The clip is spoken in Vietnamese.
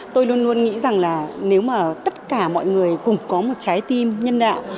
tôi luôn luôn nghĩ rằng là nếu mà tất cả mọi người cùng có một trái tim nhân đạo